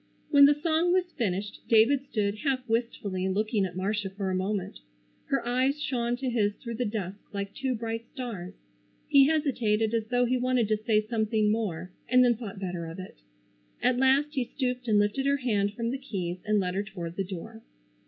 When the song was finished David stood half wistfully looking at Marcia for a moment. Her eyes shone to his through the dusk like two bright stars. He hesitated as though he wanted to say something more, and then thought better of it. At last he stooped and lifted her hand from the keys and led her toward the door.